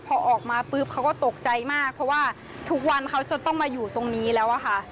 พอออกมาปุ๊บเขาก็ตกใจมากเพราะว่าทุกวันเขาจะต้องมาอยู่ตรงนี้แล้วอะค่ะ